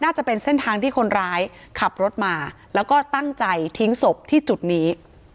จะเป็นเส้นทางที่คนร้ายขับรถมาแล้วก็ตั้งใจทิ้งศพที่จุดนี้